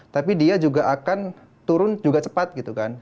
tapi dia juga akan turun juga cepat gitu kan